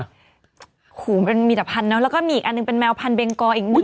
โอ้โหมันมีแต่พันธเนอะแล้วก็มีอีกอันหนึ่งเป็นแมวพันธเบงกออีกด้วย